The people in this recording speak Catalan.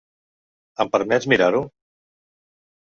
Em permets mirar-ho?